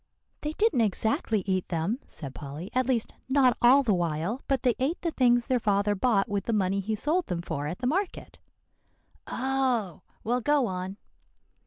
"They didn't exactly eat them," said Polly, "at least not all the while; but they ate the things their father bought with the money he sold them for at the market." "Oh! well, go on."